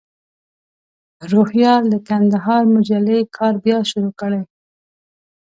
روهیال د کندهار مجلې کار بیا شروع کړی.